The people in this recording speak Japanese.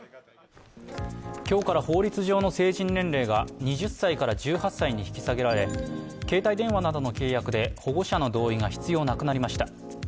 今日から法律上の成人年齢が２０歳から１８歳に引き下げられ、携帯電話などの契約で保護者の同意が必要なくなりました。